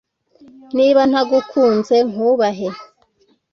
niba ntagukunze nkubahe